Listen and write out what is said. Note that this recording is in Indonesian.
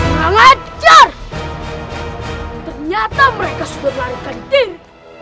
tidak mereka sudah lari dari sini